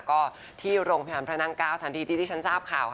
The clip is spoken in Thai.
ก็ที่โรงพยาบาลพระนางเกล้าทันทีที่ฉันทราบข่าว